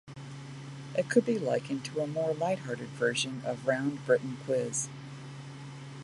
It could be likened to be a more light-hearted version of "Round Britain Quiz".